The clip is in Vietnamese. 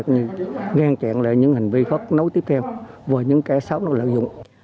có như ngang chạy lại những hành vi khó nấu tiếp theo và những kẻ xấu nó lợi dụng